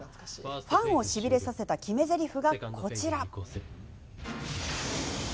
ファンをしびれさせた決めぜりふが、こちら。